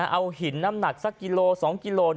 เอาหินน้ำหนักสักกิโล๒กิโล